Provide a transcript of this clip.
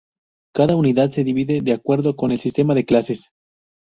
Cada unidad se divide de acuerdo con el sistema de clases.